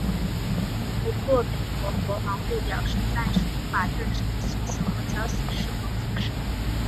不过美国国防部表示暂时无法证实其死亡消息是否属实。